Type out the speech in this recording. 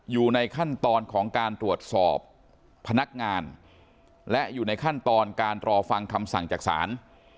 อยู่ในขั้นตอนของการตรวจสอบพนักงานและอยู่ในขั้นตอนการรอฟังคำสั่งจากศาล